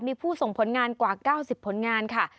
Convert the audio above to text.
มีผู้ส่งผลงานกว่า๙๐ผลงานค่ะ